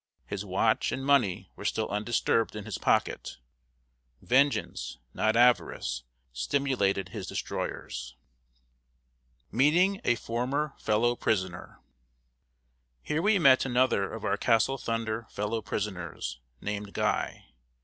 His watch and money were still undisturbed in his pocket. Vengeance, not avarice, stimulated his destroyers. [Sidenote: MEETING A FORMER FELLOW PRISONER.] Here we met another of our Castle Thunder fellow prisoners, named Guy.